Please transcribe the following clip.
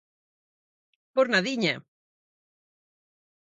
Por nadiña!